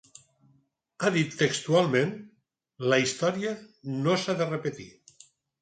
Ha dit, textualment: La història no s’ha de repetir.